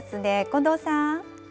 近藤さん。